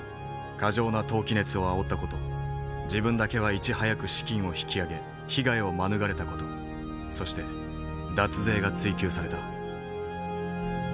過剰な投機熱をあおった事自分だけはいち早く資金を引き揚げ被害を免れた事そして脱税が追及された。